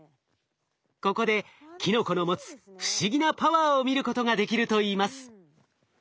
ここでキノコの持つ不思議なパワーを見ることができるといいます。